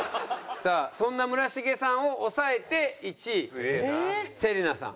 さあそんな村重さんを抑えて１位芹那さん。